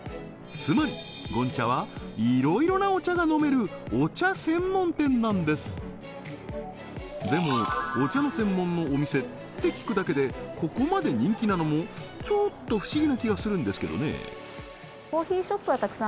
つまりゴンチャはいろいろなお茶が飲めるお茶専門店なんですでもお茶の専門のお店って聞くだけでここまで人気なのもちょっと不思議な気がするんですけどね